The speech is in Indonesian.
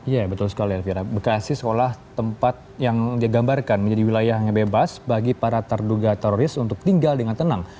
ya betul sekali elvira bekasi sekolah tempat yang dia gambarkan menjadi wilayah yang bebas bagi para terduga teroris untuk tinggal dengan tenang